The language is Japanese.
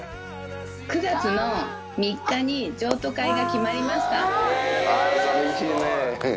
９月の３日に譲渡会が決まりさみしいねー。